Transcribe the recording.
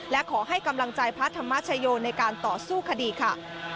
และขอให้กำลังใจพระธรรมชโยในการต่อสู้คดีค่ะ